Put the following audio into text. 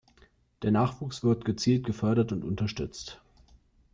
Der Nachwuchs wird gezielt gefördert und unterstützt.